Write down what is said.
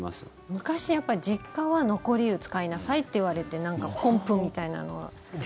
昔、やっぱり実家は残り湯使いなさいって言われてポンプみたいなのは。